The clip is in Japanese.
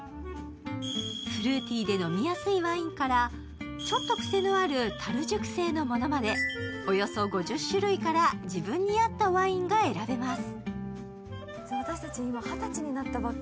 フルーティーで飲みやすいワインからちょっと癖のある樽熟成のものまでおよそ５０種類から、自分に合ったワインが選べます。